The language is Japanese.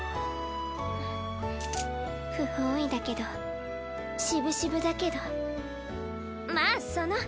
不本意だけどしぶしぶだけどまあその。